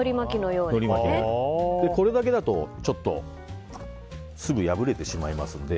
これだけだとちょっとすぐ破れてしまいますので